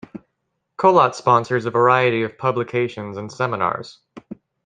Kolot sponsors a variety of publications and seminars.